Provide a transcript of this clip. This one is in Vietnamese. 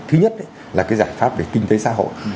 thứ nhất là cái giải pháp về kinh tế xã hội